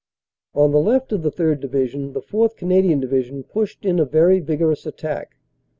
On the left of the 3rd. Division the 4th. Canadian Division pushed in a very vigorous attack.